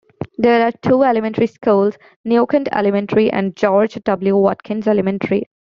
There are two elementary schools, New Kent Elementary, and George W. Watkins Elementary.